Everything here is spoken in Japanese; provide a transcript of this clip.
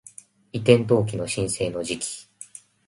移転登記の申請の時期